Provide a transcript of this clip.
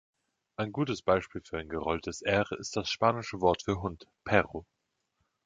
Ein gutes Beispiel für ein gerolltes R ist das Spanische Wort für Hund, „perro“.